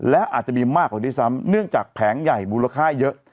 และอาจจะมีมากกว่าด้วยซ้ำเนื่องจากแผงใหญ่มูลค่าเยอะ